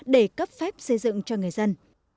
để cấp phép xây dựng cho người dân